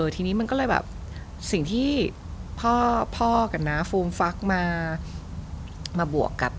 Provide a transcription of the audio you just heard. ทีนี้มันก็เลยแบบสิ่งที่พ่อกับน้าฟูมฟักมาบวกกับ